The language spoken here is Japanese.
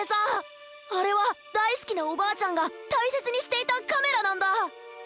あれはだいすきなおばあちゃんがたいせつにしていたカメラなんだ！